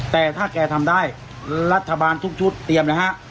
แต่ถ้าแกทำได้รัฐบาลทุกชุดเตรียมนะฮะ